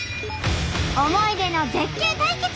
思い出の絶景対決！